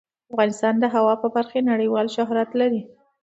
افغانستان د هوا په برخه کې نړیوال شهرت لري.